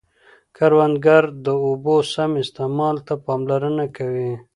کروندګر د اوبو سم استعمال ته پاملرنه کوي